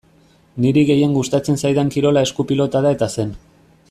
Niri gehien gustatzen zaidan kirola esku-pilota da eta zen.